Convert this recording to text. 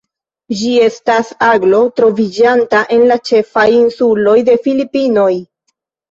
Ĝi estas aglo troviĝanta en la ĉefaj insuloj de Filipinoj.